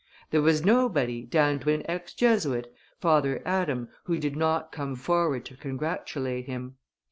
There was nobody, down to an ex Jesuit, Father Adam, who did not come forward to congratulate him."